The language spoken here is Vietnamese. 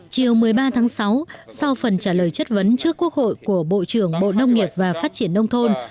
chiều một mươi ba tháng sáu sau phần trả lời chất vấn trước quốc hội của bộ trưởng bộ nông nghiệp và phát triển nông thôn